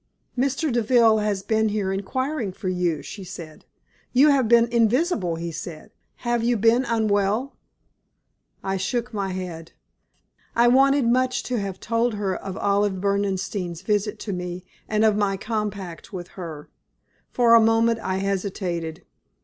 "Mr. Deville has been here inquiring for you," she said. "You have been invisible, he said. Have you been unwell?" I shook my head. I wanted much to have told her of Olive Berdenstein's visit to me, and of my compact with her. For a moment I hesitated.